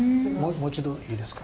もう一度いいですか？